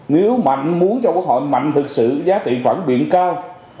nếu mà anh muốn cho quốc hội mạnh thực sự giá tiền khoản biện cao